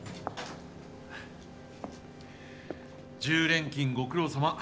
１０連勤ご苦労さま。